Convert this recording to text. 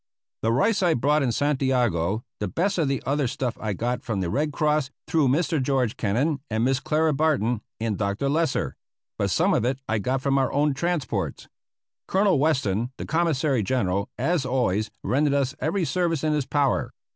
The rice I bought in Santiago; the best of the other stuff I got from the Red Cross through Mr. George Kennan and Miss Clara Barton and Dr. Lesser; but some of it I got from our own transports. Colonel Weston, the Commissary General, as always, rendered us every service in his power.